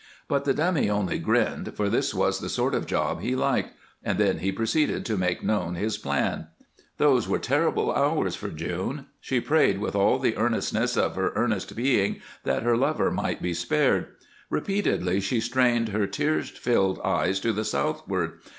But the Dummy only grinned, for this was the sort of job he liked, and then he proceeded to make known his plan. Those were terrible hours for June. She prayed with all the earnestness of her earnest being that her lover might be spared; repeatedly she strained her tear filled eyes to the southward.